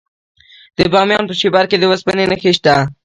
د بامیان په شیبر کې د وسپنې نښې شته.